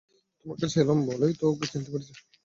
তোমার কাছে এলুম বলেই তো ওকে চিনতে পেরেছি।